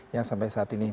yang sampai saat ini